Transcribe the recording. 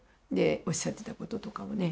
おっしゃってたこととかをね。